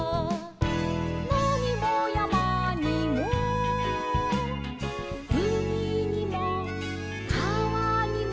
「のにもやまにもうみにもかわにも」